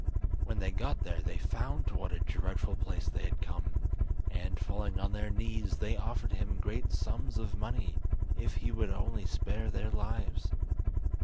When they got there they found to what a dreadful place they had come, and, falling on their knees, they offered him great sums of money, if he would only spare their lives.